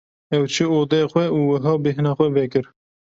Ew çû odeya xwe û wiha bêhna xwe vekir.